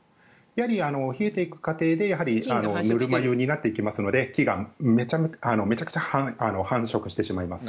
冷えていく過程でぬるま湯になっていきますので菌がめちゃくちゃ繁殖してしまいます